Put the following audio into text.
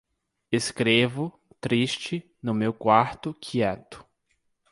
Escrevo, triste, no meu quarto quieto